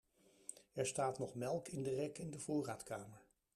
Er staat nog melk in de rek in de voorraadkamer.